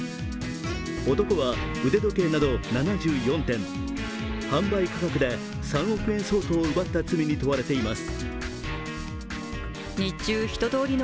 男は腕時計など７４点、販売価格で３億円相当を奪った罪に問われています。